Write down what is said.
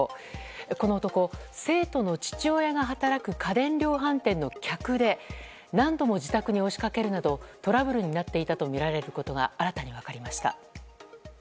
この男、生徒の父親が働く家電量販店の客で何度も自宅に押し掛けるなどトラブルになっていたとみられることが新たに分かりました。